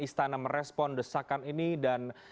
istana merespon desakan ini dan